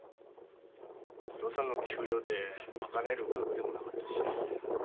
お父さんの給料で賄える額でもながったし。